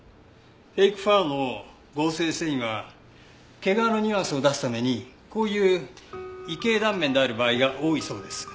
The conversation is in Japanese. フェイクファーの合成繊維は毛皮のニュアンスを出すためにこういう異型断面である場合が多いそうです。